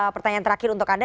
pertanyaan terakhir untuk anda